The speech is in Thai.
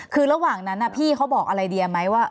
คือระหว่างนั้นพี่เขาบอกอะไรเดียไหมว่า